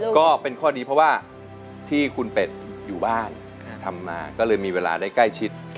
ก็เป็นข้อดีเพราะว่าที่คุณเป็ดอยู่บ้านทำมาก็เลยมีเวลาได้ใกล้ชิด